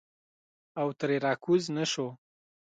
او ترې راکوز نه شو.